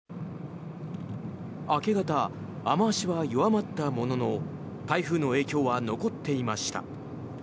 明け方、雨脚は弱まったものの台風の影響は残っていました。